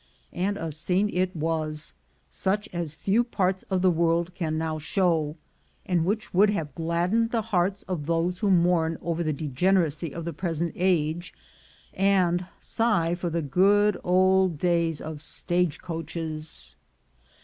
And a scene it was, such as few parts of the world can now show, and which would have gladdened the hearts of those who mourn over the degeneracy of the present age, and sigh for the good old days of stage coaches.